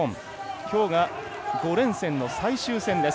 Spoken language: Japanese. きょうが５連戦の最終戦です。